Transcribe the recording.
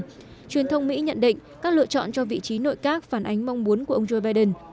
truyền thông mỹ nhận định các lựa chọn cho vị trí nội các phản ánh mong muốn của ông joe biden